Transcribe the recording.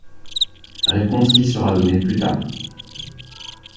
Réponse qui sera donnée plus tard.